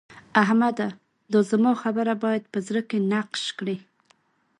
احمده! دا زما خبره بايد په زړه کې نقش کړې.